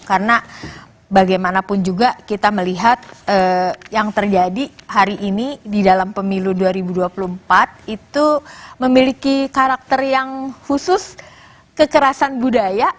karena bagaimanapun juga kita melihat yang terjadi hari ini di dalam pemilu dua ribu dua puluh empat itu memiliki karakter yang khusus kekerasan budaya